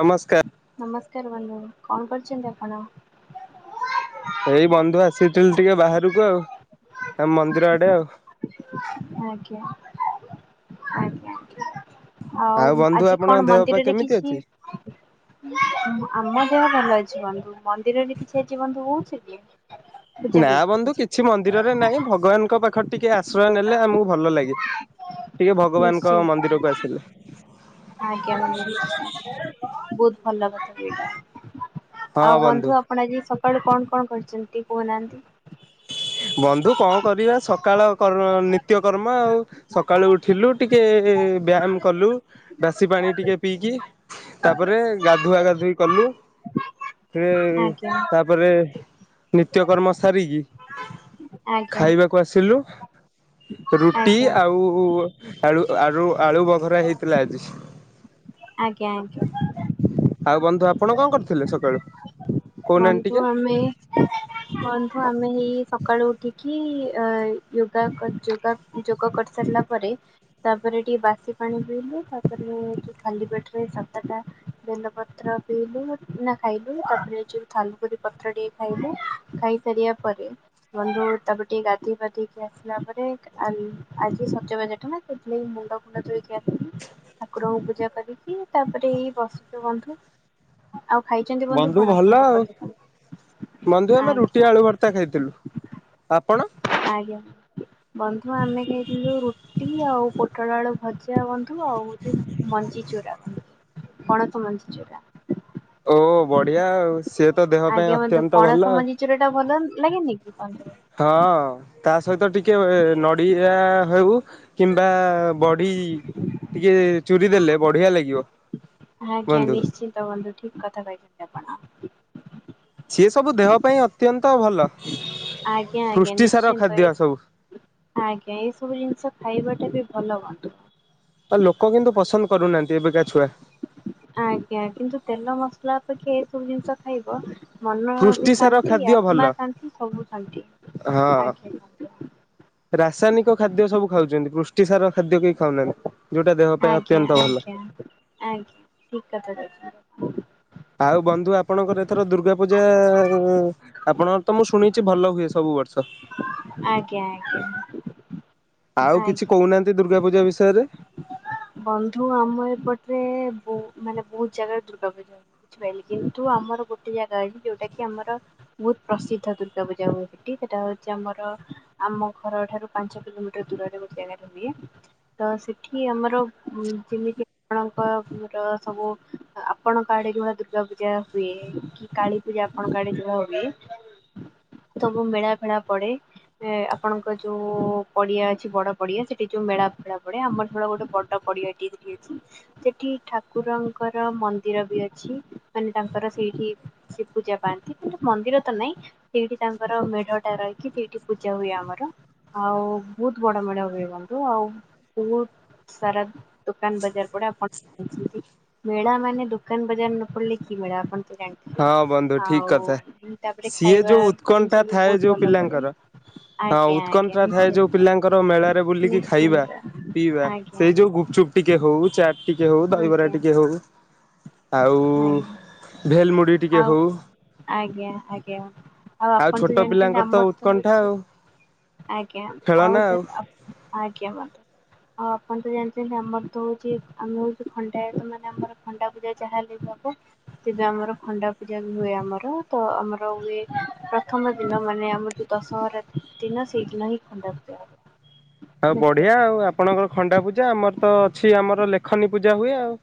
ନମସ୍କାର ନମସ୍କାର ବନ୍ଧୁ କଣ କରୁଚନ୍ତି ଆପଣ? ଏଇ ବନ୍ଧୁ ଆସିଥିଲି ଟିକେ ବାହାରୁକୁ ଆଉ ଆଁ ମନ୍ଦିର ଆଡେ ଆଉ ଆଜ୍ଞା ଆଜ୍ଞା ଆଉ ବନ୍ଧୁ ଆଜି ଆପଣଙ୍କ କଣ ଦେହ ପା ମନ୍ଦିରରେ କେମିତି କିଛି ଅଛି? ଆମ ଦେହ ଭଲ ଅଛି ବନ୍ଧୁ ମନ୍ଦିରରେ କିଛି ଆଜି ବନ୍ଧୁ ହଉଚି କି? ପୂଜା ନା ବି ବନ୍ଧୁ ହଉଛି କିଛି ମନ୍ଦିରରେ ନାହିଁ ଭଗବାନଙ୍କ ପାଖ ଟିକେ ଆ ଶ୍ରୟ ନେଲେ ଆମକୁ ଭଲ ଲାଗେ ଟିକେ ଭଗବାନଙ୍କ ନିଶ୍ଚିନ୍ତ ମନ୍ଦିରକୁ ଆସିଲେ। ଆଜ୍ଞା ବନ୍ଧୁ ନିଶ୍ଚିନ୍ତ। ବହୁତ [unintelligible] ଆଉ ବନ୍ଧୁ ଆପଣ ଆଜି ସ କୁଆଡେ କଣ କଣ କରିଚନ୍ତି କହୁନାହାନ୍ତି? ବନ୍ଧୁ କଣ ଆଜ୍ଞା। କରିବା ସକାଳ କର୍ମ ନିତ୍ୟ କର୍ମ ଆଉ ସକାଳୁ ଉଠିଲୁ ଟିକେ ବ୍ୟାୟାମ କଲୁ ବାସି ପାଣି ଟିକେ ପିଇକି ତାପରେ ଗାଧୁଆ ଗାଧୋଇ କଲୁ । ଫେରେ ତାପରେ ନିତ୍ୟ କର୍ମ ସାରିକି ଆଜ୍ଞା ଖାଇବାକୁ ଆସିଲୁ। ରୁଟି ଆଜ୍ଞା ଆଉ ଆଳୁ, ଆଳୁ, ଆଳୁ ବଘରା ହେଇଥିଲା ଆଜି। ଆଜ୍ଞା ଆଜ୍ଞା। ଆଉ ବନ୍ଧୁ ଆପଣ କଣ କରିଥିଲେ ସକାଳୁ? କହୁନାହାନ୍ତି ଟିକେ? ବନ୍ଧୁ ଆମେ ବନ୍ଧୁ ଆମେ ହେଇ ସକାଳୁ ଉଠିକି ଯା ଯୋଗା ଯୋଗ କରିସାରିଲା ପରେ ତାପରେ ଟିକେ ବାସି ପାଣି ପିଇଲୁ ତାପରେ ଯଉ ଖାଲି ପେଟରେ ସାତଟା ବେଲପତ୍ର ପିଇଲୁ ନା ଖାଇଲୁ ତାପରେ ଯୋଉ ଥାଲୁକୁଡି ପତ୍ର ଟିକେ ଖାଇଲୁ ଖାଇସାରିବା ପରେ ବନ୍ଧୁ ତାପରେ ଟିକେ ଗାଧୋଇ ପାଧେଇକି ଆସିଲା ପରେ ଆଜି ସଜ ବାଜ ଠୁ ସେ ମୁଣ୍ଡ ଫୁଣ୍ଡ ଧୋଇକି ଆସିକି ଠାକୁରଙ୍କୁ ପୂଜା କରିକି ତାପରେ ଏଇ ବସିଛୁ ବନ୍ଧୁ। ଆଉ ଖାଇଛନ୍ତି ବନ୍ଧୁ କଣ ଆପଣ? ସକାଳୁ ସକାଳୁ? ବନ୍ଧୁ ଆମେ ରୁଟି, ଆଳୁ ଆଜ୍ଞା ଭର୍ତା ଖାଇଥିଲୁ। ଆପଣ ଆଜ୍ଞା ବନ୍ଧୁ ଆମେ ଖାଇଥିଲୁ ରୁଟି ଆଉ ପୋଟଳ ଆଳୁ ଭଜା ବନ୍ଧୁ ଆଉ ହଉଛି ମଞ୍ଜି ଚୁରା, ପଣସ ମଞ୍ଜି ଚୁରା। ଓ ବଢିଆ ଆଉ। ସିଏ ତ ଦେହ ପାଇଁ ଆଜ୍ଞା ବନ୍ଧୁ ଅତ୍ୟନ୍ତ ଭଲ ପଣସ ଆଉ। ମଞ୍ଜି ଚୁରା ଟା ଭଲ ନୁହଁ? ଲାଗେ ନି କି। ବନ୍ଧୁ? ହଁ ତା ସହିତ ଟିକେ ନଡ଼ିଆ ହେଉ କିମ୍ବା ବଢି ଟିକେ ଚୁରି ଦେଲେ ବଢିଆ ଲାଗିବ ଆଜ୍ଞା ବନ୍ଧୁ। ନିଶ୍ଚିନ୍ତ ବନ୍ଧୁ ଠିକ କଥା କହିଛନ୍ତି ଆପଣ। ହ [inaudible] ସିଏ ସବୁ ଦେହ ପାଇଁ ଅତ୍ୟନ୍ତ ଭଲ ଆଜ୍ଞା ଆଜ୍ଞା ପୃଷ୍ଟି ସାର ନିଶ୍ଚିନ୍ତ ଏ ଖାଦ୍ୟ ସବୁ। ଆଜ୍ଞା ଏଇ ସବୁ ଜିନିଷ ଖାଇବାଟା ବି ଭଲ ବାଟ [inaudible] ଆଉ ଲୋକ କିନ୍ତୁ ପସନ୍ଦ କରୁନାହାନ୍ତି ଏବେକା ଛୁଆ ଆଜ୍ଞା କିନ୍ତୁ ତେଲ ମସଲା ଅପେକ୍ଷା ଏଇ ସବୁ ଜିନିଷ ଖାଇବ ମନ ବି ପୃଷ୍ଟିସାର ଶାନ୍ତି, ଖାଦ୍ୟ ଭଲ ଆତ୍ମା ଶାନ୍ତି, ସବୁ ଶାନ୍ତି ହଁ। ଆଜ୍ଞା। ରାସାୟନିକ ଖାଦ୍ୟ ସବୁ ଖାଉଛନ୍ତି ପୃଷ୍ଟିସାର ଖାଦ୍ୟ କେହି ଖାଉନାହାନ୍ତି। ଯୋଉଟା ଦେହ ପାଇଁ ଆଜ୍ଞା, ଅତ୍ୟନ୍ତ ଭଲ ଆଜ୍ଞା, ଆଜ୍ଞା ଠିକ କଥା କହି ଆଉ ବନ୍ଧୁ ଆପଣଙ୍କର ଏଥର ଦୁର୍ଗା ପୂଜା ଆପଣଙ୍କର ତ ମୁଁ ଶୁଣିଛି ଭଲ ହୁଏ ସବୁ ବର୍ଷ। ଆଜ୍ଞା, ଆଜ୍ଞା। ଆଉ କିଛି ଆଜ୍ଞା। କହୁନାହାନ୍ତି ଦୁର୍ଗା ପୂଜା ବିଷ ସେରେ ବନ୍ଧୁ ଆମ ଏପଟରେହୁ ବହୁ ମାନେ ବହୁତ ଜାଗାରେ ଦୁର୍ଗା ପୂଜା ହୁଏ ।ବୁଝିପାରିଲି କିନ୍ତୁ ଆମର ଗୋଟେ ଜାଗା ଅଛି ଯୋଉଟା କି ଆମର ବହୁତ ପ୍ରସିଦ୍ଧ ଦୁର୍ଗା ପୂଜା ହୁଏ ସେଠି ସେଟା ହଉଛି ଆମର ଆମ ଘର ଠାରୁ ପାଞ୍ଚ କିଲୋମିଟର ଦୂରରେ ଗୋଟେ ଜାଗାରେ ହୁଏ। ତ କି ଆମର ହୁଁ ଯେମିତି ହଁ କହ ସବୁ ଆପଣଙ୍କ ଆଡେ ଯୋଉ ଦୁର୍ଗା ପୂଜା ହୁଏ। କି କାଳୀ ପୂଜା ଆପଣଙ୍କ ଆଡେ ଯୋଉଡା ହୁଏ ।ସବୁ ମେଳା ଫେଳା ପଡେ ଆପଣଙ୍କ ଯୋଉ ପଡିଆ ଅଛି ବଡ ପଡିଆ ସେଠି ଯୋଉ ମେଳା ଫେଳା ପଡେ ଆମର ଗୋଟେ ବଡ ପଡିଆ ଏଠି ଅଛି ସେଠି ଠାକୁରଙ୍କର ମନ୍ଦିର ବି ଅଛି। ମାନେ ତାଙ୍କର ସେଇଠି ସେ ପୂଜା ପାଆନ୍ତି କିନ୍ତୁ ମନ୍ଦିର ତ ନାହିଁ ସେଇଠି ତାଙ୍କର ମେଢ ଟା ରହିକି ସେଇଠି ପୂଜା ହୁଏ ଆମର ଆଉ ବହୁତ ବଡ ମେଢ ହୁଏ ବନ୍ଧୁ ଆଉ ସାରା ଦୋକାନ ବଜାର ପଡେ ଆପଣ ଛନ୍ତି ମେଳା ମାନେ ଦୋକାନ ବଜାର ନ ପଡିଲେ କି ମେଳା ଆପଣ ତ ଜାଣିଥିବେ। ହଁ ବନ୍ଧୁ ଠିକ୍ କଥା ଆଉ ତାପରେ ସିଏ ଖାଇବା ଯୋଉ ଉତ୍କଣ୍ଠା ଜିନିଷ ବି ଥାଏ ବହୁତ ଯୋଉ ଭଲ ପଡେ। ପିଲାଙ୍କର ହଁ ଆଜ୍ଞା ଆଜ୍ଞା ଉତ୍କଣ୍ଠା ଥାଏ ଯୋଉ ନିଶ୍ଚିନ୍ତ ପିଲାଙ୍କର ମେଳାରେ ବୁଲିକି ଖାଇବା ନିଶ୍ଚିନ୍ତ ପି ଇବା ଆଜ୍ଞା ସେ ଯୋଉ ଗୁପଚୁପ୍ ଟିକେ ହଉ ଚାଟ୍ ଟିକେ ହଉ ଦହିବରା ଆଜ୍ଞା ଆଜ୍ଞା ଟିକେ ହଉ ଆଉ ଆଜ୍ଞା ଭେଲ୍ ମୁ ଆଉ ଆଜ୍ଞା ଆଜ୍ଞା ଆଉ ଆପଣ ଛୋଟ ତ ଜାଣିଛନ୍ତି ପିଲାଙ୍କର ଆମର ତ ଉତ୍କଣ୍ଠା ହଉଛି ଆଉ ଆଜ୍ଞା ଆଉ ସାର୍ ଆଜ୍ଞା ଆଉ ଆପଣ ତ ଜାଣିଛନ୍ତି ଆମର ତ ହଉଛି ଆମେ ହଉ ଖଣ୍ଡାୟତ ମାନେ ଆମର ଖଣ୍ଡା ପୂଜା ଯାହାହେଲେ ବି ହବ। ତେବେ ଆମର ଖଣ୍ଡା ପୂଜା ବି ହୁଏ ଆମର ତ ଆମର ହୁଏ ପ୍ରଥମ ଦିନ ମାନେ ଆମର ଯୋଉ ଦଶହରା ଦିନ ସେଇଦିନ ହିଁ ଖଣ୍ଡା ପୂଜା ହବ। ଆଉ ବଢିଆ ବୁଝିପାରିଲେ ଆଉ ଆପଣଙ୍କର ଖଣ୍ଡା ପୂଜା ଆମର ତ ଅଛି ଆମର ଲେଖନୀ ପୂଜା ହୁଏ ଆଉ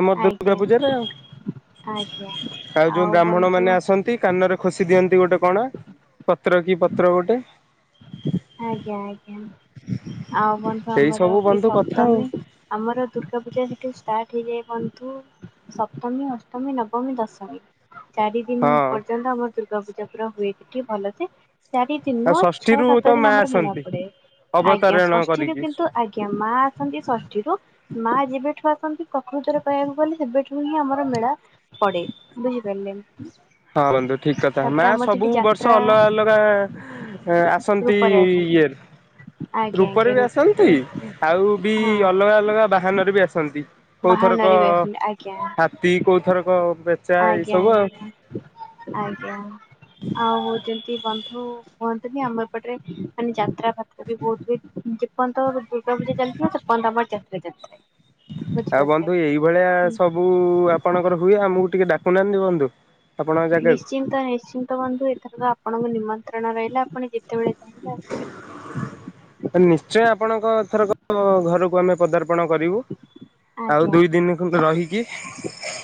ଆମର ଦୁର୍ଗା ଆଜ୍ଞା ପୂଜାରେ ଆଉ ଆଜ୍ଞା। ଆଉ ଯୋଉ ବ୍ରାହ୍ମଣ ମାନେ ଆସନ୍ତି କାନରେ ଖୋସି ଦିଅନ୍ତି ଗୋଟେ କଣ ତ୍ର କି ପତ୍ର ଗୋଟେ ଆଜ୍ଞା ଆଜ୍ଞା। ଆଉ ବନ୍ଧୁ ଏଇ ଆମର ସବୁ ଏ ବନ୍ଧୁ କଥା ଆଉ ସପ୍ତମୀ ଆମର ଦୁର୍ଗା ପୂଜା ଏଠି ଷ୍ଟା ଠିକ୍ ଏ ବନ୍ଧୁ ସପ୍ତମୀ, ଅଷ୍ଟମୀ, ନବମୀ, ଦଶମୀ। ଚାରି ଦିନ ହଁ। ପର୍ଯ୍ୟନ୍ତ ଆମର ଦୁର୍ଗା ଦୁର୍ଗା ପୂଜା ପୁରା ହୁଏ ଏଠି ଭଲସେ ଚାରି ଦିନ ଆଉ ଛଅ ଷଷ୍ଠୀରୁ ତ କେତ ମା ଦିନ ଆମର ମେଳା ଆସନ୍ତି ପଡେ ଆଜ୍ଞା ଅବତାରଣ ଷଷ୍ଠୀରୁ କରିକି। କିନ୍ତୁ ଆଜ୍ଞା ମା ଆସନ୍ତି ଷଷ୍ଠୀରୁ ମା ଯେବେଠୁ ଆସନ୍ତି ପ୍ରକୃତରେ କହିବାକୁ ଗଲେ ସେବେଠୁ ହିଁ ଆମର ମେଳା ପଡେ ବୁଝିପାରିଲେ। ହଁ ବନ୍ଧୁ ଠିକ୍ କଥା ମା ତାପରେ ଆମର ସେଠି ସବୁ ବର୍ଷ ଯାତ୍ରା ଅଲଗା ଅଲଗା ଆସନ୍ତି ନ୍ତି ରୂପରେ ଆସନ୍ତି ଇଏରେ ଆଜ୍ଞା ରୂପରେ ଆଜ୍ଞା ବି ଆସନ୍ତି ଆଉ ବି ହଁ ଅଲଗା ଅଲଗା ବାହାନରେ ବି ଆସନ୍ତି କୋଉ ଥରକ ବାହାନରେ ବି ଆସନ୍ତି ଆଜ୍ଞା। ହାତୀ କୋଉ ଥରକ ବେଚା ଏଇ ଆଜ୍ଞା ସବୁ ଆଉ ଆଜ୍ଞା ଆଜ୍ଞା। ଯୋଉ କୁହନ୍ତିନି ଆମର। ସେପଟରେ ମାନେ ଯାତ୍ରା ଫାତ୍ରା ବି ବହୁତ ହୁଏ କିନ୍ତୁ କଣ ଦୁର୍ଗା ପୂଜା ଚାଲିଥିବ ସେ ପର୍ଯ୍ୟନ୍ତ ଆମର ଯାତ୍ରା ଚାଲିଥାଏ ଆଉ ବନ୍ଧୁ ବୁଝିପାରିଲେ [inaudible] ଏଇଭଳିଆ ସବୁ କି ବନ୍ଧୁ। ଆପଣଙ୍କ ଜାଗାକୁ ନିଶ୍ଚିନ୍ତ ନିଶ୍ଚିନ୍ତ ବନ୍ଧୁ ଏଥର ତ ଆପଣଙ୍କ ନିମ ନ୍ତ୍ରଣ ରହିଲା ଆପଣ ଯେତେବେଳେ ଚାହିଁବେ ଆସିପାରିବେ। [inaudible] ନିଶ୍ଚୟ ଆପଣଙ୍କ ଏଥରକ ଘରକୁ ଆମେ ପଦାର୍ପ କଣ କରିବୁ ଆଉ ଆଜ୍ଞା ଦୁଇ ଦିନ ଖଣ୍ଡେ ରହିକି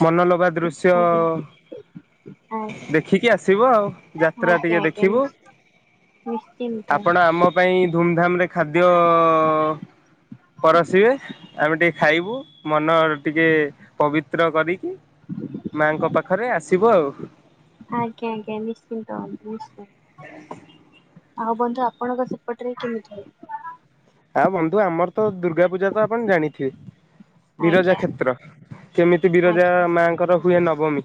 ମନ ଗା ଦୃଶ୍ୟ [inaudible] ଆଜ୍ଞା ଆଜ୍ଞା ଦେଖିକି ଆସିବ ଆଉ ଯାତ୍ରା ଟିକେ ଆଜ୍ଞା ଆଜ୍ଞା ଆଜ୍ଞା ଦେଖିବୁ। ନିଶ୍ଚି [inaudible] ନିଶ୍ଚିନ୍ତ ଆପଣ ଆମ ପାଇଁ ଧୁମଧାମ ରେ ଖାଦ୍ୟ ପରଷିବେ ଆମେ ଟିକେ ଖାଇ ବୁ ମନ ଟିକେ ପବିତ୍ର କରି ମାଙ୍କ ପାଖରେ ଆସି ଥିବ ଆଉ ଆଜ୍ଞା ଆଜ୍ଞା ନିଶ୍ଚିନ୍ତ ହ ନିଶ୍ଚିନ୍ତ [inaudible] ଆଉ ବନ୍ଧୁ ଆପଣଙ୍କ ସେପଟରେ କେମିିତି ହୁଏ? ଆଉ ବନ୍ଧୁ ଆମର ତ ଦୁର୍ଗା ପୂଜା ତ ଆପଣ ଜାଣିଥିବେ ବିରଜା ଆଜ୍ଞା କ୍ଷେତ୍ର କେମିତି ବିରଜା ଆଜ୍ଞା ମାଙ୍କର ହୁଏ ନବମୀ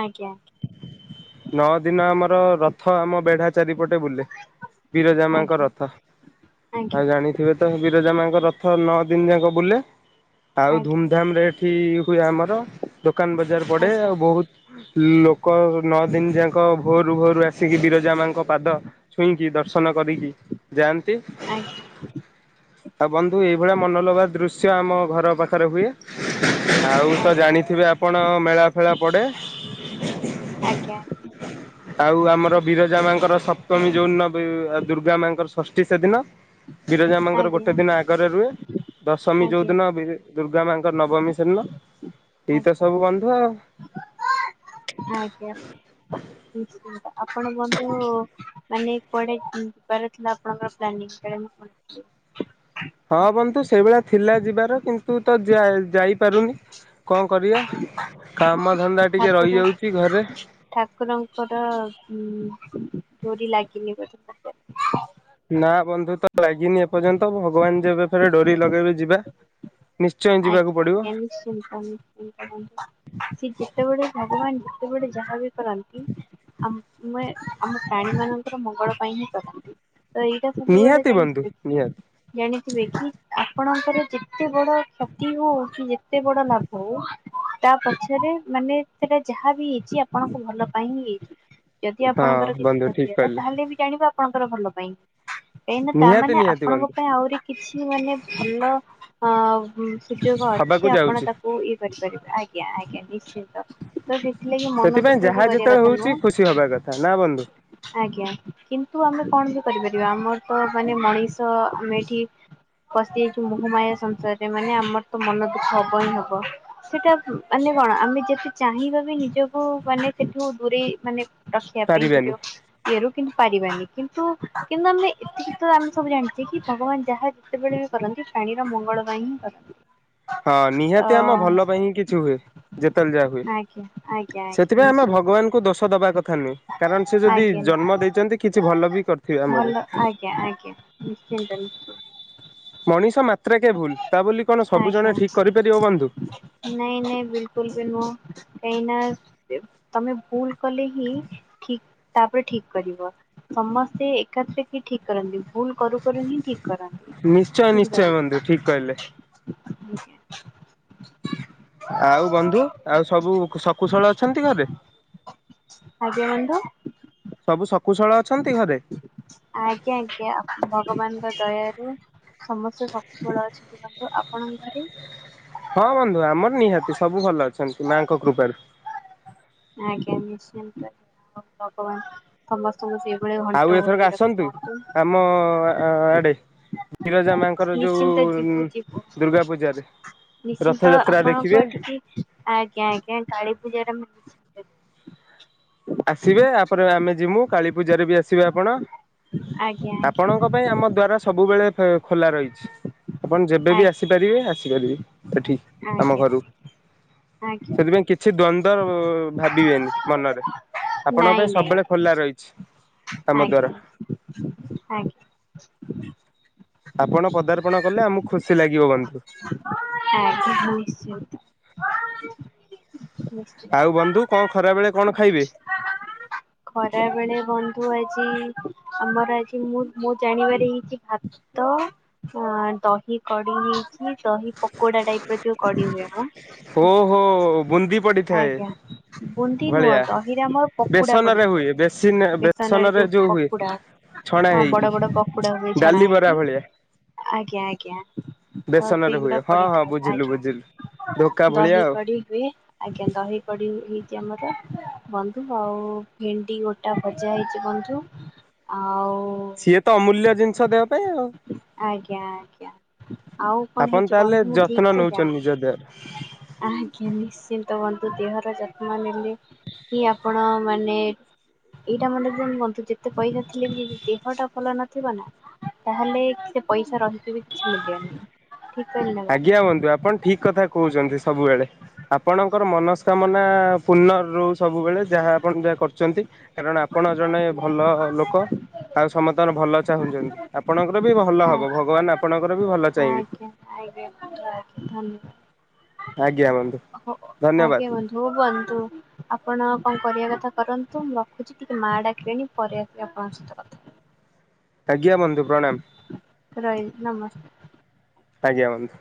ଆଜ୍ଞା [inaudible] ନଅ ଦିନ ଆମର ରଥ ଆମ ବେଢା ଚାରିପଟେ ବୁଲେ। ବିରଜାମାଙ୍କ ରଥ ଆଜ୍ଞା ଆଉ ଜାଣିଥିବେ ବିରଜା ମାଙ୍କ ରଥ ନଅ ଦିନ ଯାକ ବୁଲେ। ଆଉ ଆଜ୍ଞା ଧୁମଧାମ ରେ ଏଠି ହୁଏ ଆମର ଦୋକାନ ବଜାର ପଡ଼େ। ଆଜ୍ଞା ଆଉ ବହୁତ ଲୋକ ନଅ ଦିନ ଯାକ ଭୋରୁ ଭୋରୁ ଆସିକି ବିରଜା ମାାଙ୍କ ପାଦ ଛୁଇଁକି ଦର୍ଶନ କରିକି ଯାଆନ୍ତି। ହ [inaudible] ଆଉ ବନ୍ଧୁ ଏଇଭଳିଆ ମନଲୋଭା ଦୃଶ୍ୟ ଆମ ଘର ପାଖରେ ହୁଏ। ଆଉ ଆଜ୍ଞା ତ ଆଜ୍ଞା ଜାଣିଥିବେ ଆପଣ ମେଳା ଫେଳା ପଡେ। ଆଜ୍ଞା [inaudible] ଆଉ ଆମର ବିରଜା ମାଙ୍କର ସପ୍ତମୀ ଯୋଉ ଦିନ ଦୁର୍ଗା ମାଙ୍କର ଷଷ୍ଠୀ ସେଦିନ ବିରଜା ମାଙ୍କର ଗୋଟେ ଆଜ୍ଞା ଦିନ ଆଗରେ ରୁହେ ଦଶମୀ ଯୋଉ ଆଜ୍ଞା ଦିନ ଦୁର୍ଗା ମାଙ୍କର ନବମୀ ସେଦିନ। ଏଇ ତ ଆଜ୍ଞା ସବୁ ବନ୍ଧ ଆଉ। ଆଜ୍ଞା [inaudible] ଆପଣ ବନ୍ଧୁ ମାନେ କୁଆଡେ ଯିବାର ଥିଲା ଆପଣଙ୍କ ପ୍ଲାନିଙ୍ଗ ହଁ ବନ୍ଧୁ ସେଇଭଳି ଥିଲା ଯିବାର କିନ୍ତୁ ତ ଯାଇପାରୁନି କଣ କରିବା କାମ ଧନ୍ଦା ଟିକେ ଠାକୁର ରହିଯାଉଛି ଘରେ ଠାକୁରଙ୍କର ଉ ଡୋରି ଲାଗିଲି ବ ନା ବନ୍ଧୁ ତ ଲାଗିନି ଏପର୍ଯ୍ୟନ୍ତ, ଭଗବାନ ଯେବେ ଫେରେ ଡୋରି ଲଗେଇବେ ଯିବା। ନିଶ୍ଚୟ ଯିବାକୁ ଆଜ୍ଞା, ପଡିବ ଆଜ୍ଞା ନିଶ୍ଚିତା ନିଶ୍ଚିତା ସି ଯେତେବେଳେ ଭଗବାନ ଯେତେବେଳେ ଯାହା ବି କରନ୍ତି ଆ ମୁେ ଆମ ପ୍ରାଣୀ ମାନଙ୍କର ମଙ୍ଗଳ ପାଇଁ ହିଁ କରନ୍ତି। ତ ଏଇଟା ସବୁବେଳେ ନିହାତି ବନ୍ଧୁ ଜାଣିଥିବେ କି ନିହାତି। ଜାଣିଥିବେ କି? ଆପଣଙ୍କର ଯେତେ ବଡ଼ ହ କି ଏତେ ବଡ ଲାଭ ହଉ। ତା ପଛରେ ମାନେ ସେଟା ଯାହା ବି ହେଇଛି ଆପଣଙ୍କୁ ଭଲ ପାଇଁ ହିଁ ହେଇଛି। ଯଦି ହଁ ଆପଣଙ୍କର କିଛି ବନ୍ଧୁ ଠିକ କ୍ଷତି ହେଲା କହିଲେ ତାହେଲେ ବି ଜାଣିବା ଆପଣଙ୍କର ଭଲ ପାଇଁ। କାହିଁକି ନା ତା ନିହାତି ମାନେ ନିହାତି ଆପଣଙ୍କ ବନ୍ଧୁ ପାଇଁ ଆହୁରି କିଛି ମାନେ ଭଲ ହଁ। ସୁଯୋଗ ହବାକୁ ଅଛି ଆପଣ ଯାଉଛି ତାକୁ ଇଏ କରିପାରିବେ ଆଜ୍ଞା। ଆଜ୍ଞା ଆଜ୍ଞା ନିଶ୍ଚିତ। ତ ଦେଖିଲ କି ମନ ସେଥିପାଇଁ ଦୁଃଖକୁ ଯାହା କରିବା ଯେତେବେଳେ କଥା ହଉଛି ନୁହଁ। ଖୁସି ହବା କଥା ନା ବନ୍ଧୁ ଆଜ୍ଞା କିନ୍ତୁ ଆମେ କଣ ବି କରିପାରିବା ଆମର ତ ମାନେ ମଣିଷ ଆମେ ଏଠି ଫସିଯାଇଛୁ ମୋହମାୟା ସଂସାରରେ ମାନେ ଆମର ତ ମନ ଦୁଃଖ ହବ ହିଁ ହବ ସେଇଟା ମାନେ କଣ ଆମେ ଯେତେ ଚାହିଁବା ବି ନିଜକୁ ମାନେ ସେଠୁ ଦୂରେଇ ମାନେ ରଖିବା ପାଇଁ ବି ପାରିବାନି ଯୋଉ ଇଏରୁ କିନ୍ ପାରିବାନି, କିନ୍ତୁ କିନ୍ତୁ ଆମେ ଏତତ ଆମେ ସବୁ ଜାଣିଛେ କି ଭଗବାନ ଯାହା ଯେତେବେଳେ ବି କରନ୍ତି ପ୍ରାଣୀର ମଙ୍ଗଳ ପାଇଁ ହିଁ କରନ୍ତି। ହଁ ତ ନିହାତି ଆମ ଭଲ ପାଇଁ ହିଁ କିଛି ହୁଏ, ଯେତେବେଳେ ଯାହା ହୁଏ ଆଜ୍ଞା ଆଜ୍ଞା ଆଜ୍ଞା ସେଥିପାଇଁ ଆମେ ନିଶ୍ଚିନ୍ତ। ଭଗବାନଙ୍କୁ ଦୋଷ ଦବା କଥା ନୁହେଁ, କାରଣ ସେ ଯଦି ଆଜ୍ଞା ଜନ୍ମ ଦେଇଛନ୍ତି କିଛି ଭଲ ବି କରିଥିବେ ଆମ ପାଇଁ। ଭଲ ଆଜ୍ଞା ଆଜ୍ଞା ନିଶ୍ଚିନ୍ତ ନିଶ୍ଚିନ୍ତ ମଣିଷ ମାତ୍ ଆଜ୍ଞା କରିପାରିବ ବନ୍ଧୁ। ନାଇଁ ନାଇଁ ବିଲକୁଲ ବି ନୁହେଁ। କାହିଁ ନା ତମେ ଭୁଲ କଲେ ହିଁ ଠିକ ତାପରେ ଠିକ କରିବ, ସମସ୍ତେ ଏକାଥରେ କେ ଠିକ କରନ୍ତିନି। ଭୁଲ କରୁ କରୁ ହିଁ ଠିକ କରନ୍ତି ନିଶ୍ଚୟ ନିଶ୍ଚୟ ବନ୍ଧୁ ବୁଝିପାରିଲେ। ଠିକ କହିଲେ। [inaudible] ଆଉ ବନ୍ଧୁ ଆଉ ସବୁ ଶକୁଶଳ ଅଛନ୍ତି ଘରେ ଆଜ୍ଞା ବନ୍ଧୁ ସବୁ ଶକୁ ଆଜ୍ଞା ଆଜ୍ଞା ଭଗବାନଙ୍କ ଦୟାରୁ ସମସ୍ତ ସେ ଶକୁଶଳ ଅଛନ୍ତି ଆପଣ ଆପଣଙ୍କ ଘରେ। ହଁ ବନ୍ଧୁ ଆମର ନିହାତି ସବୁ ଭଲ ଅଛି। ଅଛନ୍ତି ମାଙ୍କ କୃପାରୁ। ଆଜ୍ଞା ଭଗବାନ ତ ଆଉ ଏଥରକ ଆସନ୍ତୁ ଆମ ଆଡେ ବିରଜା ମାଙ୍କର ଯୋଉ ନିଶ୍ଚିନ୍ତ ଯିବୁ ଯିବୁ ଦୁର୍ଗା ପୂଜାରେ ନିଶ୍ଚିନ୍ତ ରଥଯାତ୍ରା ଆପଣଙ୍କ ଦେଖିବେ। ଏଠିକି ଆଜ୍ଞା, ଆଜ୍ଞା କାଳୀ ପୂଜାର ମି [inaudible] ଆସିବେ। ଆ ପରେ ଆମେ ଯିମୁ କାଳୀ ପୂଜାରେ ବି ଆସିବେ ଆପଣ। ଆଜ୍ଞା ଆଜ୍ଞା ଆପଣଙ୍କ ପାଇଁ ଆମ ଦ୍ଵାର ସବୁବେଳେ ଖୋଲା ରହିଛି। ଆପଣ ଯେବେବି ଆଜ୍ଞା ଆସିପାରିବେ ଆସ୍ କରିବି। ଏଠି ଆମ ଆଜ୍ଞା ଘରୁ। ଆଜ୍ଞା ସେଥିପାଇଁ କିଛି ଦ୍ଵ ତର-ର-ର ଭାବିବେନି ମନରେ। ଆପଣଙ୍କ ନାଇଁ ପାଇଁ ନାଇଁ ସବୁବେଳେ ଖୋଲା ରହିଛି। ଆମ ଦ୍ଵାର ଆଜ୍ଞା ଆଜ୍ଞା । ଆପଣ ପଦାର୍ପଣ କଲେ ଆମକୁ ଖୁସି ଲାଗିବ ବନ୍ଧୁ। ଆଜ୍ଞା ନିଶ୍ଚିନ୍ତ [inaudible] ନିଶ୍ଚି ଆଉ ବନ୍ଧୁ କଣ ଖରା ବେଳେ କଣ ଖାଇବେ? ଖରା ବେଳେ ବନ୍ଧୁ ଆଇ ଜି ଆମର ଆଜି ମୁଁ, ମୁଁ ଜାଣିବାର ହେଇଛି ଭାତ, ଦହି କଡି। ଦହି ପକୋଡା ଟାଇପ୍ ର ଯୋଉ କଡି ହୁଏ ମ? ଓହୋ ବୁନ୍ଦି ପଡିଥାଏ ଆଜ୍ଞା, ବୁନ୍ଦି ନୁହଁ ଭଳିଆ। ଦହିରେ ଆମର ପକୁଡା ବେସନରେ ହୁଏ ବେସି ପଡିଥାଏ। ବେସନରେ ଯୋଉ ହୁଏ ପକୁଡା ଛଣା ହଁ, ହେଇକି। ବଡ ବଡ ପକୁଡା ହୁଏ ଛଣା ଡାଲି ବରା ହେଇକି। ଭଳିଆ ଆଜ୍ଞା, ଆଜ୍ଞା। ତ ବେସନରେ ସେଇଗୁଡା ହୁଏ ହଁ ହଁ ପଡିଥାଏ। ବୁଝିଲୁ ଆଜ୍ଞା, ବୁଝିଲୁ ଧୋକା ଭଳିଆ ଦହି ଆଉ। କଡି ହୁଏ। ଆଜ୍ଞା, ଦହି କଡ଼ି ହେଇଛି ଆମର ବନ୍ଧୁ। ଆଉ ଭେଣ୍ଡି ଗୋଟା ଭଜା ହେଇଛି ବନ୍ଧୁ ଆଉ ସିଏ ତ ଅମୂଲ୍ୟ ଜିନିଷ ଦେହ ପାଇଁ ଆଉ ଆଜ୍ଞା ଆଜ୍ଞା ଆଉ କଣ ଆପନ ହେଇଛି ବନ୍ଧୁ ତାହେଲେ ମୁଁ ଯତ୍ନ ଠିକ ସେ ନଉଛନ୍ତି ଜାଣିନି। ନିଜ ଆଜ୍ଞା ଦେହର। ନିଶ୍ଚିନ୍ତ ଦେହର ଯତ୍ନ ନେଲେ କି ଆପଣ ମାନେ, ଏଇଟା ମନେ କୁହନ୍ତୁ ଯେତେ ପଇସା ଥିଲେ ବି ଯଦି ଦେହଟା ଭଲ ନଥିବ ନା, ତାହେଲେ ସେ ପଇସା ରହିଛି ବି କିଛି ମୁଲ୍ୟନାହିଁ। ଆଜ୍ଞା, ବନ୍ଧୁ ଆପଣ, ଠିକ୍ କଥା କହୁଛନ୍ତି ସବୁବେଳେ। ଆପଣଙ୍କର ମନସ୍କାମନା ପୂର୍ଣ ରହୁ ସବୁବେଳେ, ଯାହା ଆପଣ ଯାହା କରୁଛନ୍ତି। କାରଣ, ଆପଣ ଜଣେ ଭଲ ଲୋକ। ଆଉ ସମସ୍ତଙ୍କର ଭଲ ଚାହୁଁଛନ୍ତି। ଆପଣଙ୍କର ବି ଭଲ ହବ ଆଜ୍ଞା ଭଗବାନ ଆପଣଙ୍କର ବି ଭଲ ଚାହିଁବେ। ଆଜ୍ଞା ଆଜ୍ଞା ଧନ୍ୟବାଦ। ଆଜ୍ଞା, ମାମ୍। ହ ଆଜ୍ଞା ବନ୍ଧୁ ଉ ବନ୍ଧୁ ଆପଣ କଣ କରିବା କଥା କରନ୍ତୁ? ମୁଁ ରଖୁଛି ଟିକେ ମା ଡାକିଲେଣି ପରେ ଆସି ଆପଣଙ୍କ ସହିତ କଥା। ଆଜ୍ଞା, ବନ୍ଧୁ ପ୍ରଣାମ। ରହିଲି ନମସ୍କାର। ଆଜ୍ଞା ବନ୍ଧୁ।